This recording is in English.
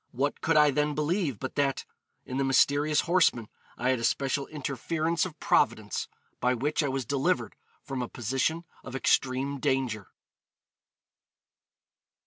What could I then believe but that ... in the mysterious horseman I had a special interference of Providence, by which I was delivered from a position of extreme danger?'